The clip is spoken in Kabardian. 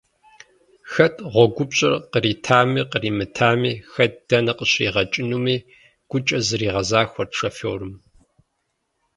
Хэт гъуэгупщӏэр къритами къримытами, хэт дэнэ къыщригъэкӏынуми гукӏэ зэригъэзахуэрт шофёрым.